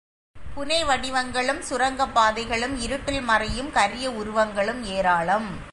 புனைவடிவங்களும், சுரங்கப் பாதைகளும் இருட்டில் மறையும் கரிய உருவங்களும் ஏராளம்...!